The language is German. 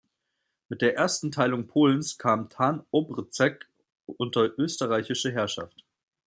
Mit der ersten Teilung Polens kam Tarnobrzeg unter österreichische Herrschaft.